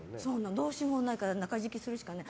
どうしようもないから中敷きするしかない。